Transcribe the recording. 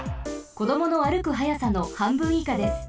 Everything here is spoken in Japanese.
こどもの歩く速さのはんぶんいかです。